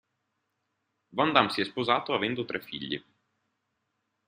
Van Damme si è sposato, avendo tre figli.